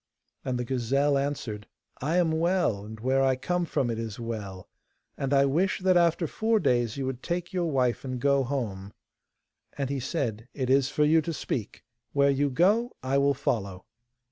And the gazelle answered: 'I am well, and where I come from it is well, and I wish that after four days you would take your wife and go home.' And he said: 'It is for you to speak. Where you go, I will follow.